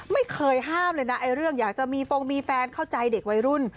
ไม่เคยห้ามเลยนะไอ้เรื่องอยากจะมีฟงมีแฟนเข้าใจเด็กวัยรุ่น